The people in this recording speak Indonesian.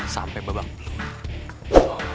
sampe babang peluh